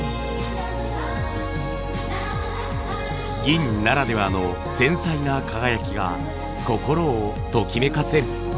銀ならではの繊細な輝きが心をときめかせる。